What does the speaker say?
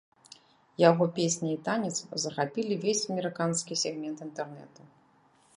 Яго песня і танец захапілі ўвесь амерыканскі сегмент інтэрнэту.